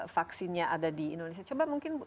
vaksinnya ada di indonesia coba mungkin